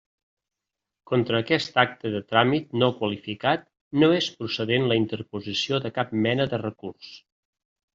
Contra aquest acte de tràmit no qualificat no és procedent la interposició de cap mena de recurs.